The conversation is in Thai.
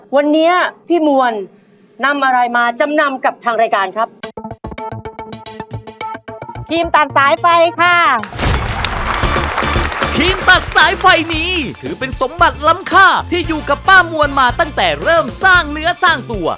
ครีมตัดสายไฟค่ะครีมตัดสายไฟนี้ถือเป็นสมบัติล้ำค่าที่อยู่กับป้ามวลมาตั้งแต่เริ่มสร้างเนื้อสร้างตัว